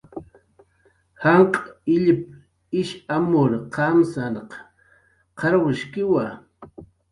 Janq' illp ish amur qamsanq qarwshkiwa